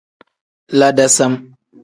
La dasam.